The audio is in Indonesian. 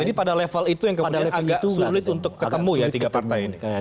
jadi pada level itu yang kemudian agak sulit untuk ketemu ya tiga partai ini